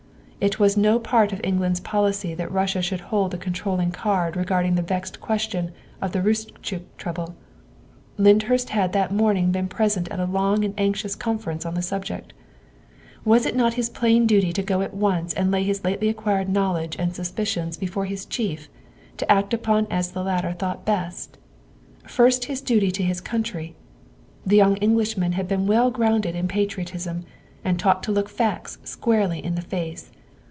It was no part of England's policy that Russia should hold the controlling card regarding the vexed question of the Roostchook trouble. Lyndhurst had that morn ing been present at a long and anxious conference on the subject. Was it not his plain duty to go at once and lay his lately acquired knowledge and suspicions before his chief, to act upon as the latter thought best? First his duty to his country. The young Englishman had been well grounded in patriotism and taught to look facts squarely in the face.